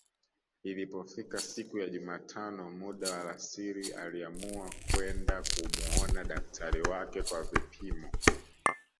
Ilipofika siku ya jumatano muda wa alasiri aliamua kwenda kumuona daktari wake kwa vipimo